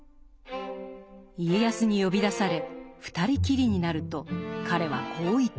家康に呼び出され２人きりになると彼はこう言った。